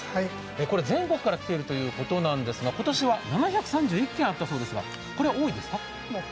これは全国から来ているということですが、今年は７２１件あったそうですが、これは多いんですか？